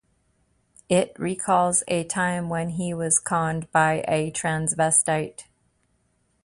It recalls a time when he was conned by a transvestite.